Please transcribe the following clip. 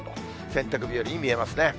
洗濯日和に見えますね。